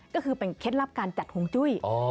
ก็คือเป็นเคล็ดลับการจัดห่วงจุ้ย